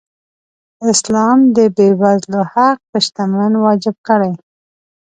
اسلام د بېوزلو حق په شتمن واجب کړی.